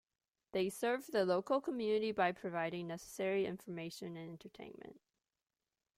They serve the local community by providing necessary information and entertainment.